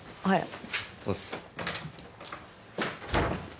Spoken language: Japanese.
はい。